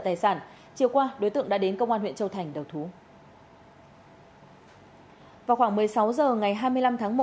tài sản chiều qua đối tượng đã đến công an huyện châu thành đầu thú vào khoảng một mươi sáu h ngày hai mươi năm tháng một